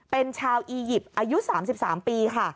เป็นชาวอียิปต์อายุ๓๓ปีค่ะ